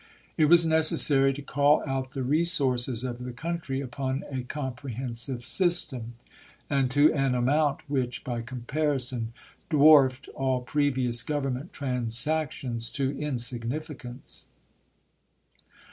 It was necessary to call out the resources of the country upon a com prehensive system, and to an amount which, by comparison, dwarfed all previous Government transactions to insignificance.